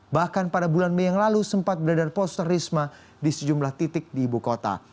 bahkan pada bulan mei yang lalu sempat beredar poster risma di sejumlah titik di ibu kota